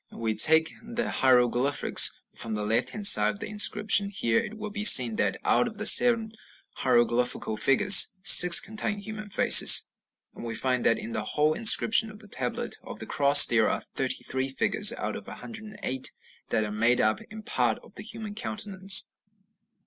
We take the hieroglyphs from the left hand side of the inscription. Here it will be seen that, out of seven hieroglyphical figures, six contain human faces. And we find that in the whole inscription of the Tablet of the Cross there are 33 figures out of 108 that are made up in part of the human countenance.